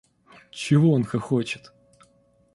— Чего он хохочет?